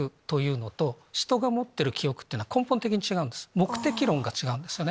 目的論が違うんですよね。